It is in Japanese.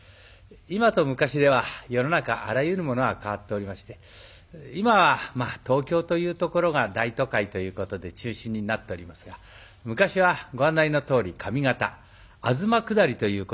今と昔では世の中あらゆるものが変わっておりまして今は東京というところが大都会ということで中心になっておりますが昔はご案内のとおり上方「東下り」という言葉がございましてですね